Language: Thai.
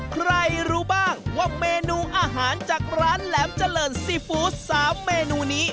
ใครรู้บ้างว่าเมนูอาหารจากร้านแหลมเจริญซีฟู้ด๓เมนูนี้